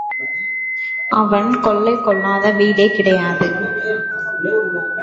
அவன் கொள்ளை கொள்ளாத வீடே கிடையாது.